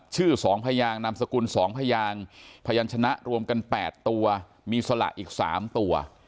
๒พยางนามสกุล๒พยางพยานชนะรวมกัน๘ตัวมีสละอีก๓ตัว